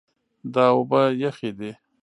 دا اوبه یخې دي.